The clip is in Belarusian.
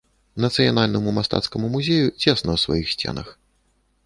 Нацыянальнаму мастацкаму музею цесна ў сваіх сценах.